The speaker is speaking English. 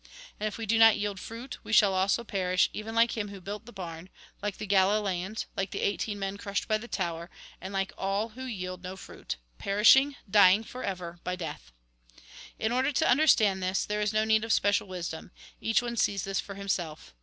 And if we do not yield fruit, we shall also perish, even like him who built the barn, like the Galileans, like the eighteen men crushed by the tower, and like all who yield no fruit ; perishing, dying for ever, by death. " In order to miderstand this, there is no need of special wisdom ; each one sees this for himself.